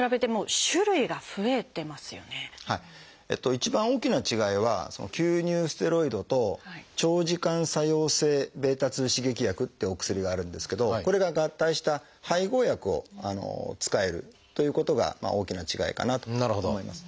一番大きな違いは吸入ステロイドと長時間作用性β刺激薬っていうお薬があるんですけどこれが合体した配合薬を使えるということが大きな違いかなと思います。